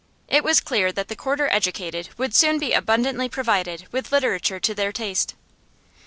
It was clear that the quarter educated would soon be abundantly provided with literature to their taste.